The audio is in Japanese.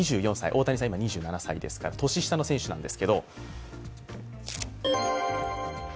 大谷さん２７歳ですから年下の選手なんですけど。